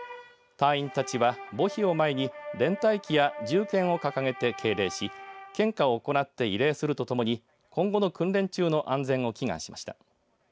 隊員たちは墓碑を前に連隊旗や銃剣を掲げて敬礼し献花を行って慰霊するとともに今後の訓練中の安全を祈願しました。